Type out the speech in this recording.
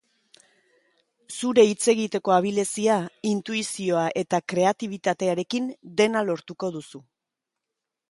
Zure hitz egiteko abilezia, intuizioa eta kreatibitatearekin dena lortuko duzu.